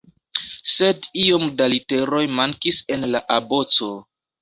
Sed iom da literoj mankis en la aboco.